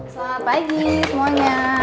selamat pagi semuanya